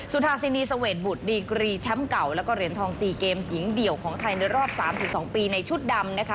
ทาซินีเสวดบุตรดีกรีแชมป์เก่าแล้วก็เหรียญทอง๔เกมหญิงเดี่ยวของไทยในรอบ๓๒ปีในชุดดำนะคะ